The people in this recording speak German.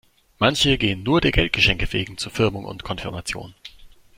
Manche gehen nur der Geldgeschenke wegen zu Firmung und Konfirmation.